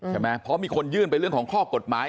ใช่ไหมเพราะมีคนยื่นไปเรื่องของข้อกฎหมาย